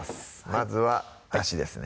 まずはだしですね